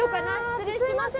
失礼します。